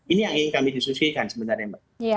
ini yang ingin kami disusulkan sebenarnya